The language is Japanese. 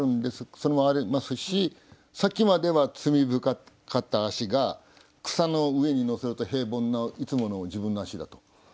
それもありますしさっきまでは罪深かった足が草の上にのせると平凡ないつもの自分の足だと。